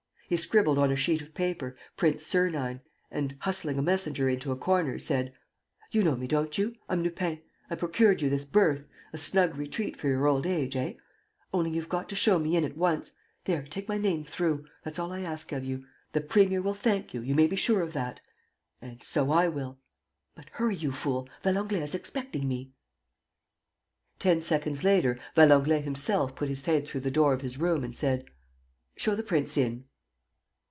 He scribbled on a sheet of paper, "Prince Sernine," and, hustling a messenger into a corner, said: "You know me, don't you? I'm Lupin. I procured you this berth; a snug retreat for your old age, eh? Only, you've got to show me in at once. There, take my name through. That's all I ask of you. The premier will thank you, you may be sure of that ... and so I will. ... But, hurry you fool! Valenglay is expecting me. ..." Ten seconds later, Valenglay himself put his head through the door of his room and said: "Show the prince in."